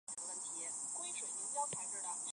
秦朝时为咸阳县。